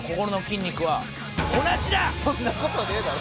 そんな事ねえだろ。